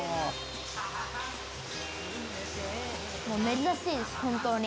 「珍しいです本当に。